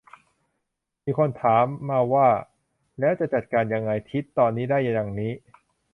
มีคนถามมาว่า แล้วจะจัดการยังไง คิดตอนนี้ได้ดังนี้